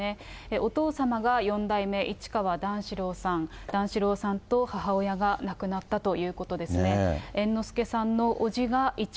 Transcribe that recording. お父様が四代目市川段四郎さん、段四郎さんと母親が亡くなったということですね。